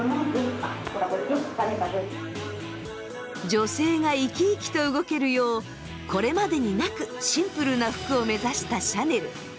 女性が生き生きと動けるようこれまでになくシンプルな服を目指したシャネル。